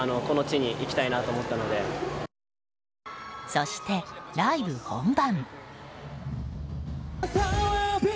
そして、ライブ本番。